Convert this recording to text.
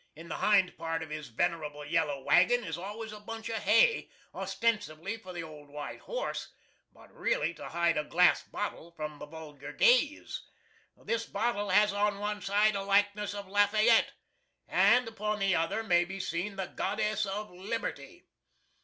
In the hind part of his venerable yellow wagon is always a bunch of hay, ostensibly for the old white horse, but really to hide a glass bottle from the vulgar gaze. This bottle has on one side a likeness of Lafayette, and upon the other may be seen the Goddess of Liberty.